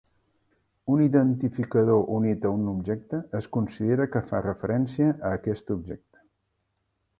Un identificador unit a un objecte es considera que fa referència a aquest objecte.